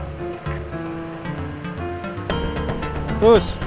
tidak ada yang bisa dihentikan